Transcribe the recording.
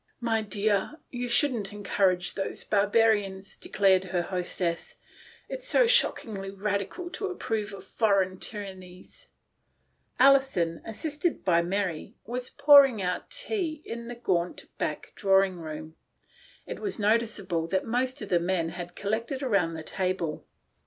" My dear, you shouldn't encourage those barbarians," declared her hostess, "it's so shockingly radical to approve of foreign tyrannies.'* Alison was pouring out tea in the gaunt back drawing room. It was noticeable that most of the men had collected round the tea 96 THE 8T0RY OF A MODERN WOMAN. table.